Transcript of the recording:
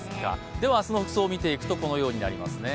では明日の服装を見ていくとこのようになりますね。